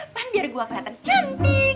bahan biar gua keliatan cantik